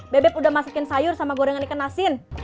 bebep udah masukin sayur sama goreng ikan asin